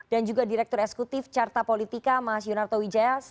dan juga direktur eksekutif carta politika mas yonarto wijaya